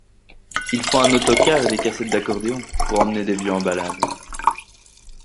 Il faut un autocar et des cassettes d’accordéon, pour emmener des vieux en balade